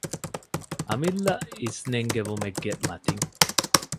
އަމިއްލަ އިސްނެންގެވުމެއްގެ މަތިން